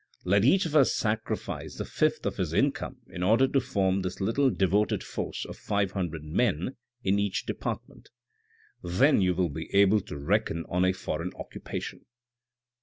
Let each of us sacrifice the fifth of his income in order to form this little devoted force of five hundred men in each department. Then you will be able to reckon on a foreign occupation.